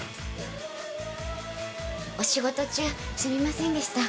お仕事中すみませんでした。